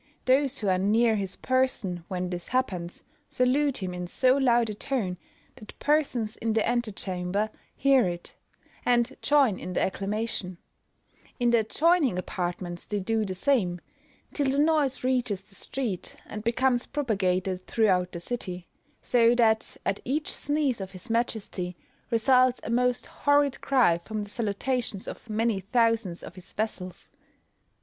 Those who are near his person, when this happens, salute him in so loud a tone, that persons in the ante chamber hear it, and join in the acclamation; in the adjoining apartments they do the same, till the noise reaches the street, and becomes propagated throughout the city; so that, at each sneeze of his majesty, results a most horrid cry from the salutations of many thousands of his vassals.